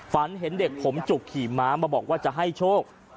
ฝันเห็นเด็กผมจุกขี่ม้ามาบอกว่าจะให้โชค